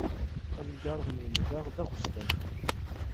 Amgerḍ n umdeɣ d aɣezzfan.